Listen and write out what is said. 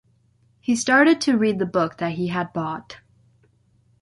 He started to read the book that he had bought.